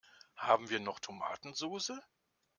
Haben wir noch Tomatensoße?